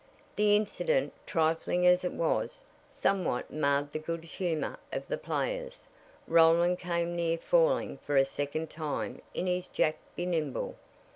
The incident, trifling as it was, somewhat marred the good humor of the players. Roland came near falling for a second time in his "Jack be Nimble."